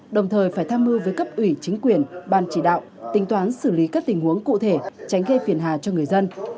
đồng thời phải tham mưu với cấp ủy chính quyền ban chỉ đạo tính toán xử lý các tình huống cụ thể tránh gây phiền hà cho người dân